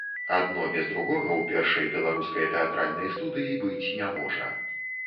Адно без другога ў першай беларускай тэатральнай студыі быць не можа.